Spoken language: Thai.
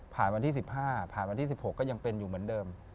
วันที่๑๕ผ่านวันที่๑๖ก็ยังเป็นอยู่เหมือนเดิม